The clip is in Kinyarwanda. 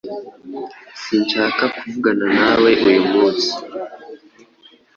Sinshaka kuvugana nawe uyu munsi.